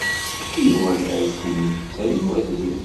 Yuba la t-id-yettali wazi.